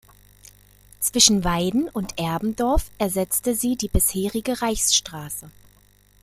Zwischen Weiden und Erbendorf ersetzte sie die bisherige Reichsstraße.